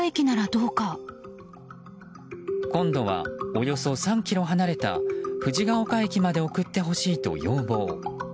今度はおよそ３ｋｍ離れた藤が丘駅まで送ってほしいと要望。